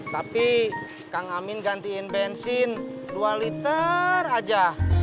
tapi kang amin gantiin bensin dua liter aja